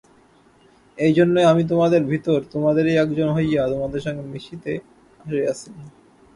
এই জন্যই আমি তোমাদের ভিতর তোমাদেরই একজন হইয়া তোমাদের সঙ্গে মিশিতে আসিয়াছি।